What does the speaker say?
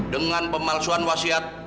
dengan pemalsuan wasiat